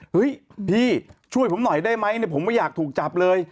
เฮ้ยพี่ช่วยผมหน่อยได้ไหมเนี่ยผมไม่อยากถูกจับเลย